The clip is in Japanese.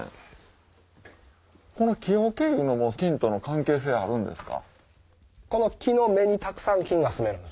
この木桶いうのも菌との関係性あるんですか？